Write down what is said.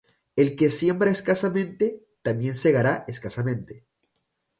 El que siembra escasamente, también segará escasamente;